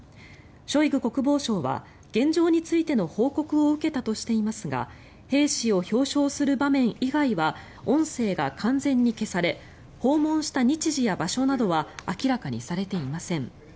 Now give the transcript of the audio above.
ショイグ国防相は現状についての報告を受けたとしていますが兵士を表彰する場面以外は音声が完全に消され訪問した日時や場所などは明らかにされていません。